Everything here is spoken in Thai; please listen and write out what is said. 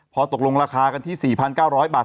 พอตกลงราคากันที่๔๙๐๐บาท